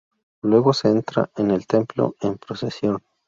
Luego se entra en el templo en procesión.